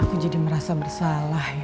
aku jadi merasa bersalah ya